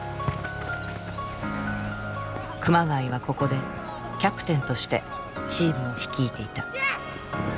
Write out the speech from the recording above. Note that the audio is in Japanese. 熊谷はここでキャプテンとしてチームを率いていた。